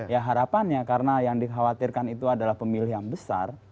ya harapannya karena yang dikhawatirkan itu adalah pemilih yang besar